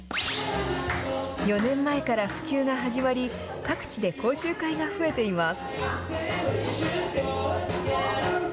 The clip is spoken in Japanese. ４年前から普及が始まり各地で講習会が増えています。